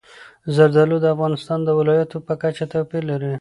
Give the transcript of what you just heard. زردالو د افغانستان د ولایاتو په کچه توپیر لري.